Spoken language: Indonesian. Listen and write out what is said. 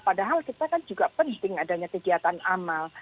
padahal kita kan juga penting adanya kegiatan amal